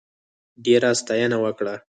ډېره ستاینه وکړه.